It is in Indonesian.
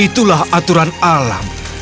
itulah aturan alam